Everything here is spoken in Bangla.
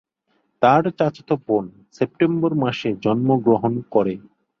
তার চাচাতো বোন সেপ্টেম্বর মাসে জন্মগ্রহণ করে।